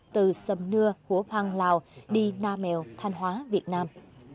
từ sầm nưa hồ phan lào đi nam mèo thanh hóa việt nam